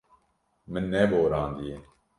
Min neborandiye.